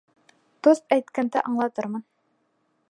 Тост әйткәндә аңлатырмын.